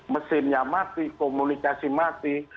mesinnya mati komunikasi mati